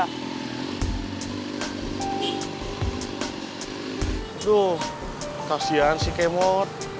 aduh kasihan si kemot